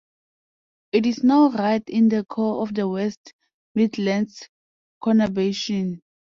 It is now right in the core of the West Midlands conurbation.